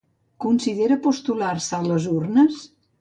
Considera postular-se a les urnes?